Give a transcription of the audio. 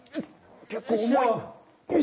結構重い。